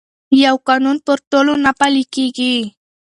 یو قانون پر ټولو نه پلي کېږي.